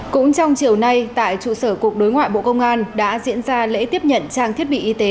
cũng trong chiều nay tại trụ sở cục đối ngoại bộ công an đã diễn ra lễ tiếp nhận trang thiết bị y tế